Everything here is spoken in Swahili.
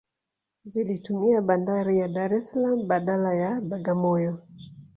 Zilitumia bandari ya Dar es Salaam badala ya Bagamoyo